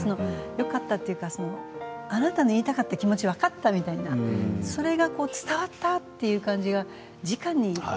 よかったというかあなたの言いたかった気持ち分かったみたいなそれが伝わったという感じがじかに。